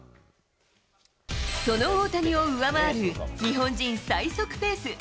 その大谷を上回る日本人最速ペース。